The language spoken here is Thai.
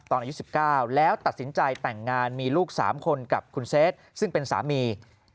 อายุ๑๙แล้วตัดสินใจแต่งงานมีลูก๓คนกับคุณเซฟซึ่งเป็นสามี